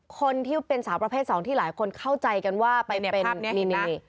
คนที่เป็นสาวประเภท๒ที่หลายคนเข้าใจกันว่าไปเป็นภาพนี้นะ